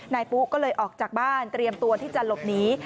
ปุ๊ก็เลยออกจากบ้านเตรียมตัวที่จะหลบหนี